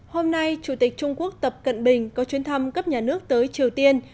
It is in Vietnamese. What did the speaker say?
hôm nay chủ tịch trung quốc tập cận bình có chuyến thăm cấp nhà nước tới triều tiên